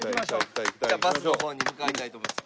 じゃあバスの方に向かいたいと思います。